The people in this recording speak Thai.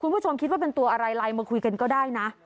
คุณผู้ชมคิดว่าเป็นตัวอะไรไลน์มาคุยกันก็ได้นะ